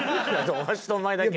わしとお前だけや。